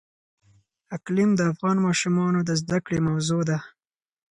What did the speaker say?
اقلیم د افغان ماشومانو د زده کړې موضوع ده.